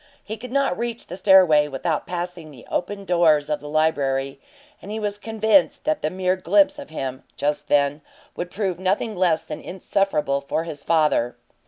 He could not reach the stairway without passing the open doors of the library, and he was convinced that the mere glimpse of him, just then, would prove nothing less than insufferable for his father.